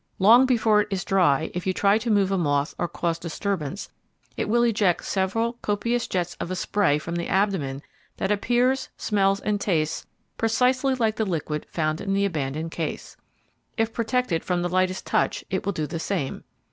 Long before it is dry if you try to move a moth or cause disturbance, it will eject several copious jets of a spray from the abdomen that appears, smells and tastes precisely like the liquid found in the abandoned case. If protected from the lightest touch it will do the same.